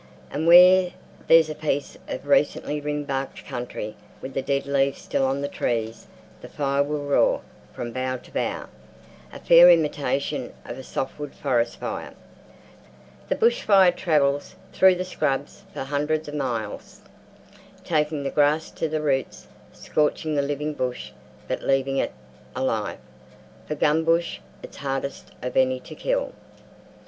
And where there's a piece of recently ringbarked country, with the dead leaves still on the trees, the fire will roar from bough to bough—a fair imitation of a softwood forest fire. The bush fire travels through the scrubs for hundreds of miles, taking the grass to the roots, scorching the living bush but leaving it alive—for gumbush is hardest of any to kill.